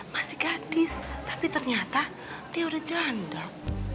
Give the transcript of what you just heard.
masih gadis tapi ternyata dia udah janda